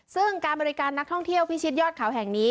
ซึ่งการบริการนักท่องเที่ยวพิชิตยอดเขาแห่งนี้